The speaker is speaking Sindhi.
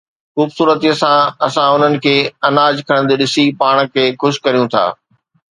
خوبصورتيءَ سان اسان انهن کي اناج کڻندي ڏسي پاڻ کي خوش ڪريون ٿا